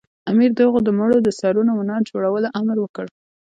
امیر د هغوی د مړو د سرونو منار جوړولو امر وکړ.